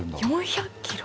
４００キロ。